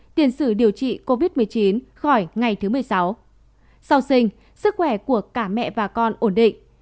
tiền sử điều trị covid một mươi chín khỏi ngày thứ một mươi sáu sau sinh sức khỏe của cả mẹ và con ổn định